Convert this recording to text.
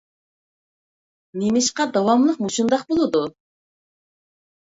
نېمىشقا داۋاملىق مۇشۇنداق بولىدۇ؟